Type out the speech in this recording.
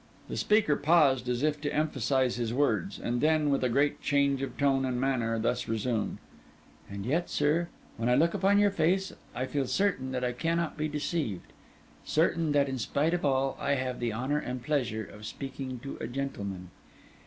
The speaker paused as if to emphasise his words; and then, with a great change of tone and manner, thus resumed: 'And yet, sir, when I look upon your face, I feel certain that I cannot be deceived: certain that in spite of all, I have the honour and pleasure of speaking to a gentleman.